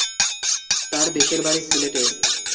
তার দেশের বাড়ি সিলেটে।